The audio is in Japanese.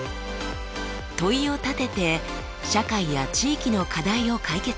問いを立てて社会や地域の課題を解決する。